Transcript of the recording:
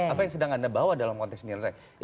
apa yang sedang anda bawa dalam konteks ini